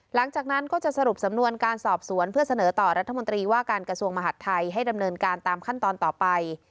หลังจากนั้นก็จะสรุปสำนวนการสอบสวนเพื่อเสนอต่อรัฐมนตรีว่าการกระทรวงมหาดไทยให้ดำเนินการตามขั้นตอนต่อไป